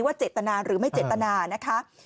เจตนาหรือไม่เจตนานะคะ